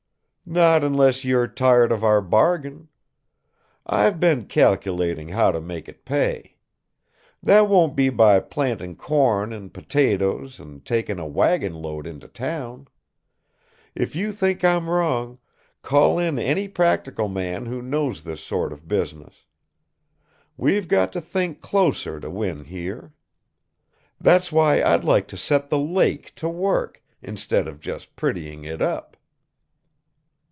"Not unless you're tired of our bargain. I've been calculating how to make it pay. That won't be by planting corn and potatoes and taking a wagon load into town! If you think I'm wrong, call in any practical man who knows this sort of business. We've got to think closer to win here. That's why I'd like to set the lake to work instead of just prettying it up."